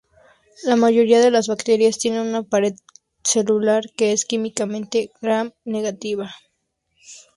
La mayoría de las bacterias tienen una pared celular que es químicamente Gram negativa.